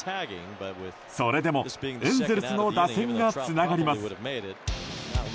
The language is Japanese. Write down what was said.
それでもエンゼルスの打線がつながります。